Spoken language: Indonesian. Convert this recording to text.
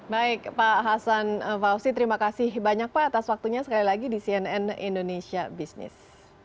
baik pak hasan fauzi terima kasih banyak pak atas waktunya sekali lagi di cnn indonesia business